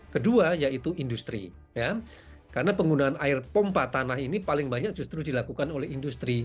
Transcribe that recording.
kedua yaitu industri karena penggunaan air pompa tanah ini paling banyak justru dilakukan oleh industri